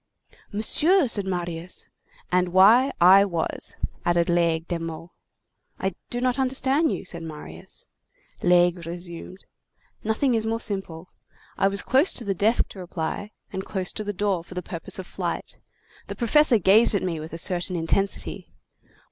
"Monsieur!—" said Marius. "And why I was," added Laigle de Meaux. "I do not understand you," said Marius. Laigle resumed:— "Nothing is more simple. I was close to the desk to reply, and close to the door for the purpose of flight. The professor gazed at me with a certain intensity.